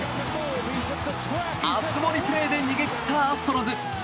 熱盛プレーで逃げ切ったアストロズ。